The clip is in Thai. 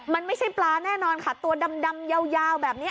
มันไม่ใช่ปลาแน่นอนค่ะตัวดำยาวแบบนี้